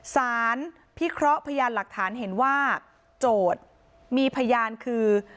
สารพิเคราะห์พยานหลักฐานเห็นว่าโจทย์มีพยานคือ